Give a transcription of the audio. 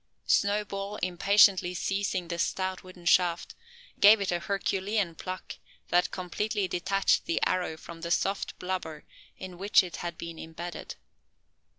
Snowball, impatiently seizing the stout wooden shaft, gave it a herculean pluck, that completely detached the arrow from the soft blubber in which it had been imbedded.